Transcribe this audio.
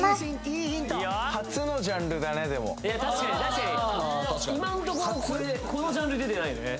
いいヒント初のジャンルだねでも今んところこのジャンル出てないよね